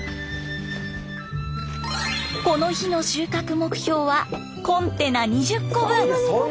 この日の収穫目標はコンテナ２０個分。